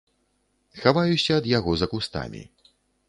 Хаваюся ад яго за кустамі.